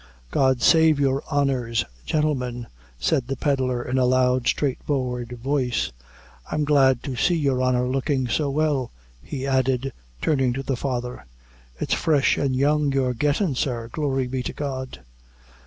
"God save you honors, gintlemen," said the pedlar, in a loud straightforward voice. "I'm glad to see your honor looking so well," he added, turning to the father; "it's fresh an' young your gettin', sir! glory be to God!"